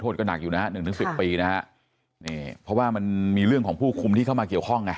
โทษก็หนักอยู่นะครับ๑๑๐ปีนะครับเพราะว่ามันมีเรื่องของผู้คุมที่เข้ามาเกี่ยวข้อง